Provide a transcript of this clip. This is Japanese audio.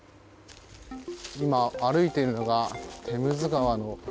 今、歩いているのがテムズ川の。